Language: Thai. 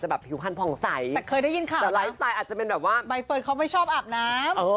ใบเฟิร์นเค้าไม่ชอบอาบน้ำ